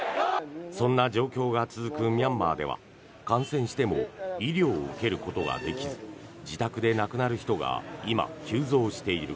そんな状況が続くミャンマーでは感染しても医療を受けることができず自宅で亡くなる人が今、急増している。